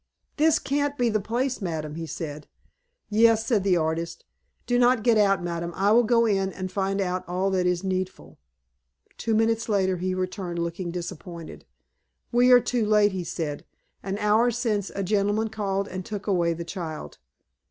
"This can't be the place, madam," he said. "Yes," said the artist. "Do not get out, madam. I will go in, and find out all that is needful." Two minutes later he returned, looking disappointed. "We are too late," he said. "An hour since a gentleman called, and took away the child."